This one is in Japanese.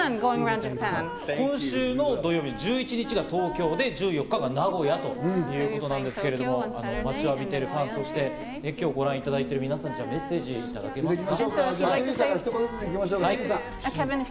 今週の土曜日１１日が東京で１４日が名古屋ということなんですけれども、待ちわびているファン、そして今日ご覧いただいている皆さんにメッセージをいただけますか？